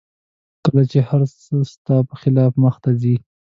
کله چې هر څه ستا په خلاف مخته ځي